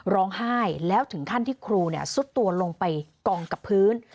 ร้องไห้แล้วถึงขั้นที่ครูซุดตัวลงไปกองกับพื้น